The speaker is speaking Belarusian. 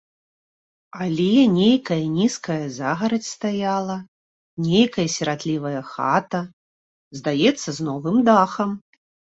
Але нейкая нізкая загарадзь стаяла, нейкая сіратлівая хата, здаецца, з новым дахам.